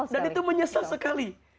dan itu menyesal sekali